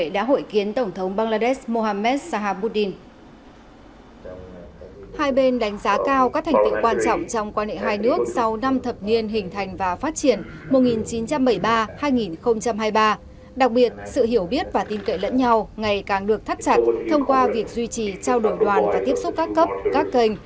đặc biệt sự hiểu biết và tin cậy lẫn nhau ngày càng được thắt chặt thông qua việc duy trì trao đổi đoàn và tiếp xúc các cấp các kênh